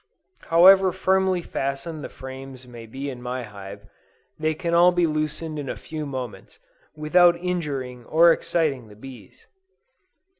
However firmly fastened the frames may be in my hive, they can all be loosened in a few moments, without injuring or exciting the bees.